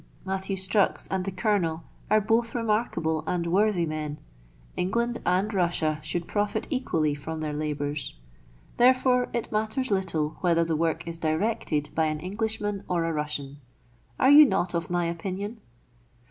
Matthew Strux and the Colonel 56 MERIDIAN a; the ADVENTURES OF are both remarkable and worthy men : England and Russia should profit equally from their labours ; therefore it mat ters little whether the work is directed by an Englishman or a Russian. Are you not of my opinion